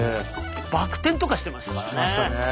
バク転とかしてましたからね。